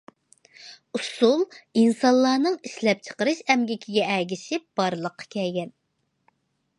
ئۇسسۇل ئىنسانلارنىڭ ئىشلەپچىقىرىش ئەمگىكىگە ئەگىشىپ بارلىققا كەلگەن.